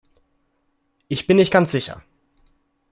Ich bin nicht ganz sicher.